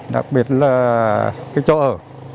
đặc biệt là cái chỗ ở